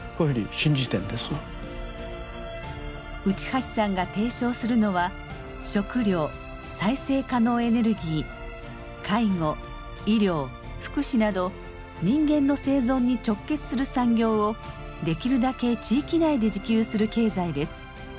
内橋さんが提唱するのは食糧再生可能エネルギー介護医療福祉など人間の生存に直結する産業をできるだけ地域内で自給する経済です。